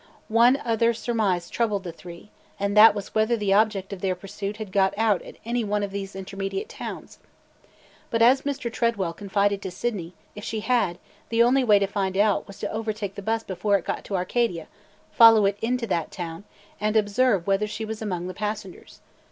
One other surmise troubled the three, and that was whether the object of their pursuit had got out at any one of these intermediate towns. But, as Mr. Tredwell confided to Sydney, if she had, the only way to find it out was to overtake the bus before it got to Arcadia, follow it into that town, and observe whether she was among the passengers.